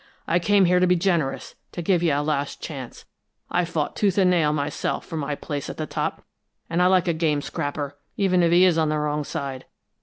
I came here to be generous, to give you a last chance. I've fought tooth and nail, myself, for my place at the top, and I like a game scrapper, even if he is on the wrong side.